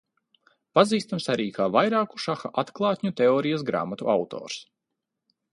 Pazīstams arī kā vairāku šaha atklātņu teorijas grāmatu autors.